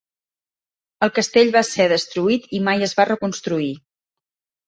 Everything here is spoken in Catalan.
El castell va ser destruït i mai es va reconstruir.